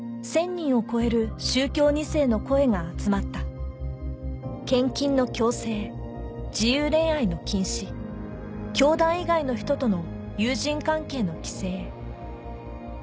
人を超える宗教２世の声が集まった献金の強制自由恋愛の禁止教団以外の人との友人関係の規制